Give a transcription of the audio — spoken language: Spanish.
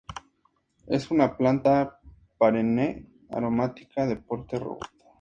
Es una planta perenne, aromática de porte robusto.